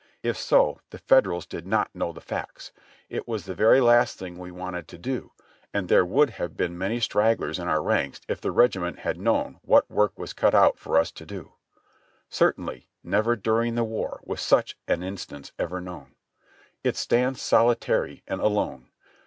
If so, the Federals did not know the facts; BACK IN OLD VIRGINIA 22/ it was the very last thing we wanted to do, and there would have been many stragglers in our ranks if the regiment had known what work was cut out for us to do. Certainly never during the war was such an instance ever known. It stands solitary and alone.